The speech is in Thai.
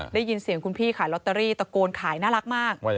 ได้ยินเสียงคุณพี่ขายลอตเตอรี่ตะโกนขายน่ารักมาก